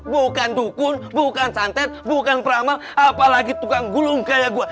bukan dukun bukan santet bukan prama apalagi tukang gulung kayak gue